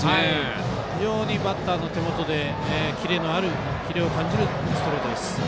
非常にバッターの手元でキレを感じるストレート。